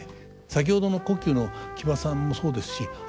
先ほどの胡弓の木場さんもそうですしそうですね。